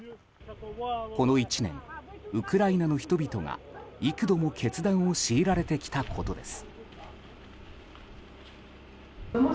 この１年ウクライナの人々が幾度も決断を強いられてきたことです。